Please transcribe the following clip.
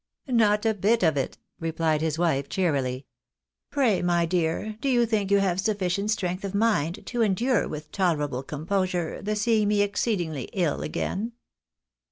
" Not a bit of it," replied his wife, cheerily. " Pray, my dear. 298 THE EARNABYS IN AMERICA. do you think you have sufficient strength of mind to endure with tolerable composure the seeing me exceedingly ill again